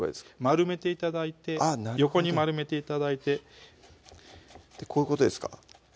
丸めて頂いて横に丸めて頂いてこういうことですか？